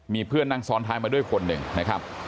มีเพื่อนนั่งซ้อนท้ายมาด้วยคนหนึ่งนะครับ